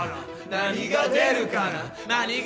何が出るかな